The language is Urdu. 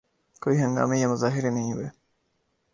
کوئی ہنگامے یا مظاہرے نہیں ہوئے۔